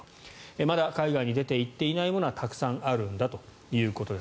まだ海外に出ていっていないものはたくさんあるんだということです。